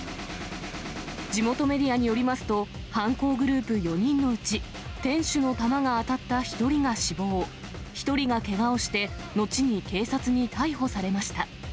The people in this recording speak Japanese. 地元メディアによりますと、犯行グループ４人のうち、店主の弾が当たった１人が死亡、１人がけがをして、後に警察に逮捕されました。